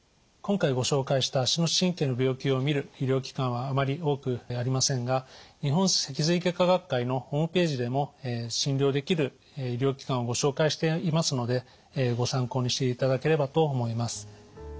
今回ご紹介した足の神経の病気を診る医療機関はあまり多くありませんが日本脊髄外科学会のホームページでも診療できる医療機関をご紹介していますのでご参考にしていただければと思います。